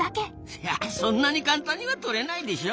いやそんなに簡単には撮れないでしょ？